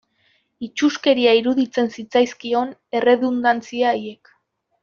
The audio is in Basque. Itsuskeria iruditzen zitzaizkion erredundantzia haiek.